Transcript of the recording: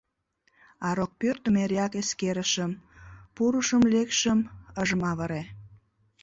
А рокпӧртым эреак эскерышым: пурышым-лекшым ыжым авыре.